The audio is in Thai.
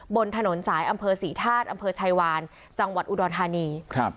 บนถนนสายอำเภอศรีธาตุอำเภอชายวานจังหวัดอุดรธานีครับ